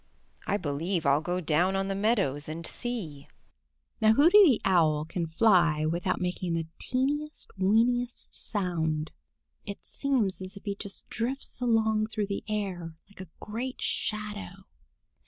I believe I'll go down on the meadows and see." Now Hooty the Owl can fly without making the teeniest, weeniest sound. It seems as if he just drifts along through the air like a great shadow.